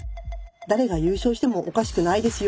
誰が優勝してもおかしくないですよ！